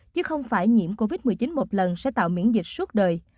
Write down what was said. chứ không phải nhiễm covid một mươi chín một lần sẽ tạo miễn dịch suốt đời